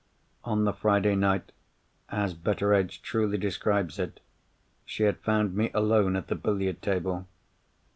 On the Friday night, as Betteredge truly describes it, she had found me alone at the billiard table.